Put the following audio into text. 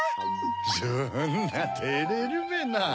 そんなてれるべな。